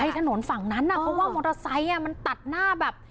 ถนนฝั่งนั้นน่ะเพราะว่ามอเตอร์ไซค์มันตัดหน้าแบบ